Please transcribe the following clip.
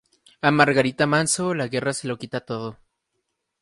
A Margarita Manso la guerra se lo quita todo.